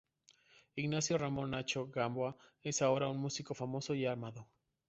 Ignacio Ramón "Nacho" Gamboa es ahora un músico famoso y amado.